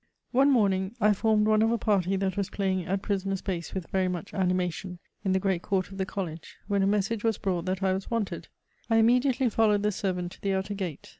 One morning I formed one of a party that was playing at prisoners base with very much animation in the great court of the College, when a message was brought that I was wanted. I immediately followed the servant to the outer gate.